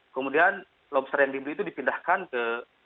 kemudian lobster yang dibeli itu dipindahkan ke